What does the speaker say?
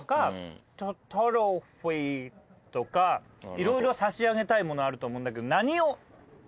いろいろ差し上げたいものあると思うんだけど何を？